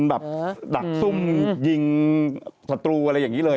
แบบดักซุ่มยิงศัตรูอะไรอย่างนี้เลย